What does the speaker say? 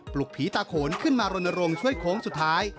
ลุกผีตาโขนขึ้นมารณรงค์ช่วยโค้งสุดท้าย